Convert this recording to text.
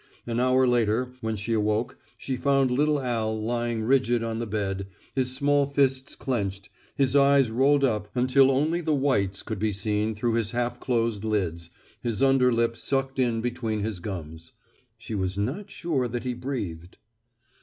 An hour later when she awoke she found little Al lying rigid on the bed, his small fists clenched, his eyes rolled up until only the whites could be seen through his half closed lids, his under lip sucked in between his gums. She was not sure that he breathed.